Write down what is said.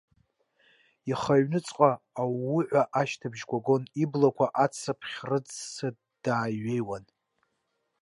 Ихы аҩнуҵҟа аууҳәа ашьҭыбжьқәа гон, иблақәа ацыԥхь рыҵыдды иҩеиуан.